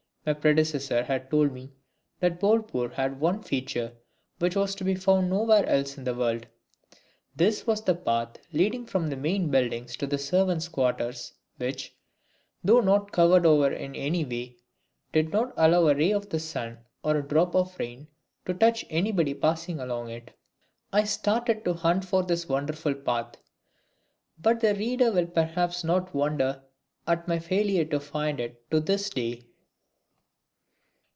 My predecessor had told me that Bolpur had one feature which was to be found nowhere else in the world. This was the path leading from the main buildings to the servants' quarters which, though not covered over in any way, did not allow a ray of the sun or a drop of rain to touch anybody passing along it. I started to hunt for this wonderful path, but the reader will perhaps not wonder at my failure to find it to this day.